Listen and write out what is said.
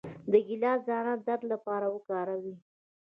د ګیلاس دانه د درد لپاره وکاروئ